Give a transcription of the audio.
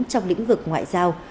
trong lĩnh vực ngoại giao